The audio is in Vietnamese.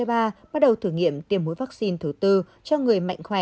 bắt đầu thử nghiệm tiêm mũi vắc xin thứ tư cho người mạnh khỏe